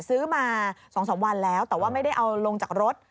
ซื้อมา๒๓วันแล้วแต่ว่าไม่ได้เอาลงจากรถ